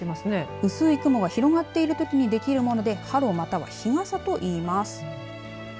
薄い雲が広がっているときにできるものでハロまたは日傘といいます。